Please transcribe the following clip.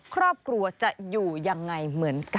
ครอบครัวจะอยู่ยังไงเหมือนกัน